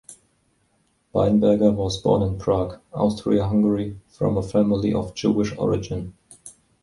Weinberger was born in Prague, Austria-Hungary, from a family of Jewish origin.